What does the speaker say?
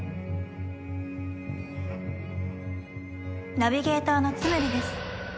ナビゲーターのツムリです。